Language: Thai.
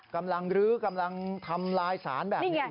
กำลังรื้อกำลังทำลายสารแบบนี้